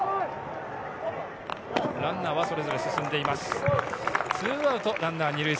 ランナーはそれぞれ進んでいます。